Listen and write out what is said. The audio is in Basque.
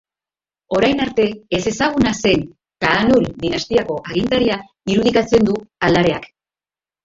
Orain arte ezezaguna zen Kaanul dinastiako agintaria irudikatzen du aldareak.